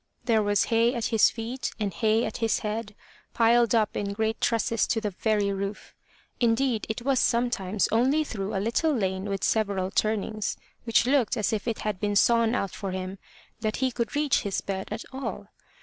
There was hay at his feet and hay at his head, piled up in great trusses to the very roof. Indeed it was sometimes only through a little lane with several turnings, which looked as if it had been sawn out for him, that he could reach his bed at all.